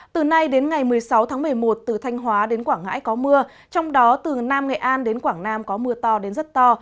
từ nay đến ngày một mươi sáu tháng một mươi một từ thanh hóa đến quảng ngãi có mưa trong đó từ nam nghệ an đến quảng nam có mưa to đến rất to